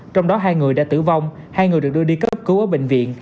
trong đó hai người đã tử vong hai người được đưa đi cấp cứu ở bệnh viện